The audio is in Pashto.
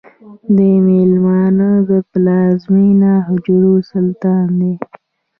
د میلوما د پلازما حجرو سرطان دی.